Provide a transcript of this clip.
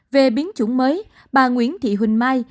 về biến chủng mới bà nguyễn thị huỳnh mai